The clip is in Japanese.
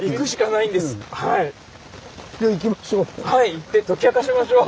行って解き明かしましょう。